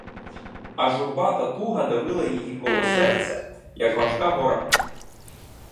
А журба та туга давила її коло серця, як важка гора.